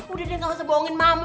udah deh gak usah bohongin mama